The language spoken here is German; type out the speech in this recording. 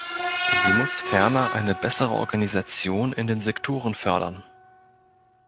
Sie muss ferner eine bessere Organisation in den Sektoren fördern.